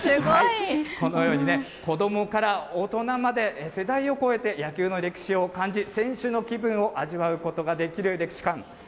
このようにね、子どもから大人まで、世代を超えて野球の歴史を感じ、選手の気分を味わうことができる歴史館。